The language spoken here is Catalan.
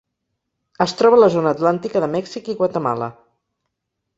Es troba a la zona atlàntica de Mèxic i Guatemala.